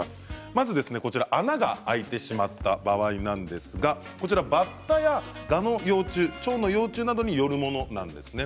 まず穴が開いてしまった場合バッタや、がの幼虫チョウの幼虫などによるものなんですね。